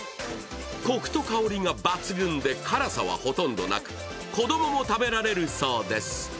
コクと香りが抜群で辛さはほとんどなく、子供も食べられるそうです。